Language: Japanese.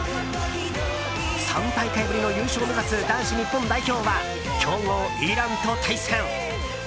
３大会ぶりの優勝を目指す男子日本代表は強豪イランと対戦。